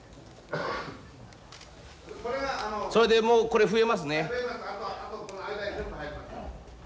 それでもうこれ増えますね。